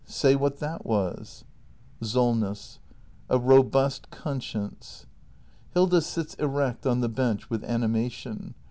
Say what that was ! SOLNESS. A robust conscience. [Hilda sits erect on the bench, with animation.